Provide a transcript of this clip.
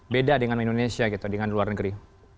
beda dengan indonesia gitu dengan luar negeri